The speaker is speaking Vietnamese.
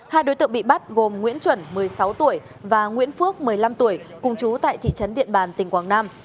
hai đối tượng bị bắt gồm nguyễn chuẩn một mươi sáu tuổi và nguyễn phước một mươi năm tuổi cùng chú tại thị trấn điện bàn tỉnh quảng nam